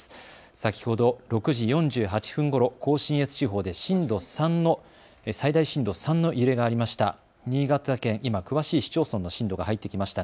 先ほど６時４８分ごろ甲信越地方で最大震度３の揺れがありました。